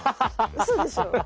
うそでしょ？